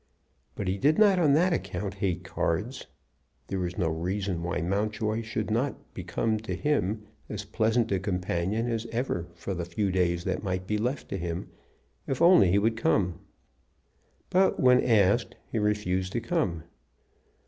But he did not on that account hate cards. There was no reason why Mountjoy should not become to him as pleasant a companion as ever for the few days that might be left to him, if only he would come. But, when asked, he refused to come.